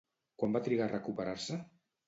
Quant va trigar a recuperar-se?